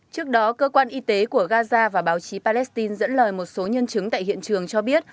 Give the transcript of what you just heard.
trước đó cơ quan y tế của gaza và báo chí palestine dẫn lời một số nhân chứng tại hiện trường cho biết